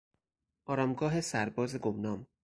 آرامگاه سرباز گمنام